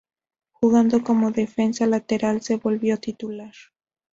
Jugando como defensa lateral se volvió titular.